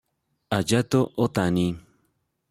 Hayato Otani